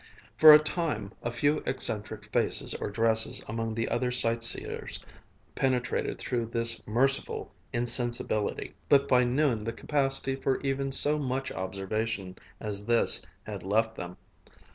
For a time a few eccentric faces or dresses among the other sightseers penetrated through this merciful insensibility, but by noon the capacity for even so much observation as this had left them.